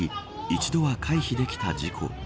一度は回避できた事故。